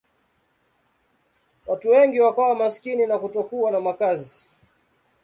Watu wengi wakawa maskini na kutokuwa na makazi.